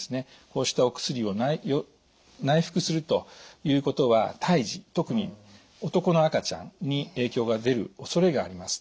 こうしたお薬を内服するということは胎児特に男の赤ちゃんに影響が出るおそれがあります。